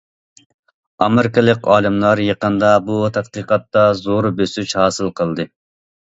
ئامېرىكىلىق ئالىملار يېقىندا بۇ تەتقىقاتتا زور بۆسۈش ھاسىل قىلدى.